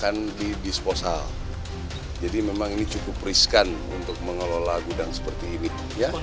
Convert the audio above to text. menjelaskan bahwa kondisi gudang tersebut digunakan untuk menyimpan amunisi yang akan didisposal